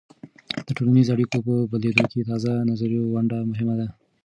د ټولنیزو اړیکو په بدلیدو کې د تازه نظریو ونډه مهمه ده.